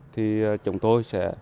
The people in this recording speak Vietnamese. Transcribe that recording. thì chúng tôi sẽ